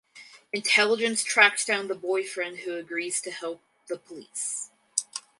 Intelligence tracks down the boyfriend who agrees to help the police.